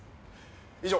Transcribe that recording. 以上。